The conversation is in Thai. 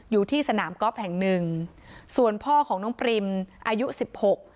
อยู่ที่สนามกอล์ฟแห่งหนึ่งส่วนพ่อของน้องปริมอายุสิบหก